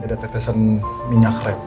ada tetesan minyak rem